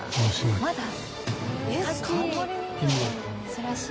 珍しい。